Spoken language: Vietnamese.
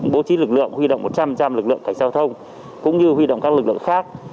bố trí lực lượng huy động một trăm linh lực lượng cảnh giao thông cũng như huy động các lực lượng khác